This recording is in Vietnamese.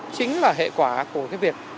chính là hệ quả của cái việc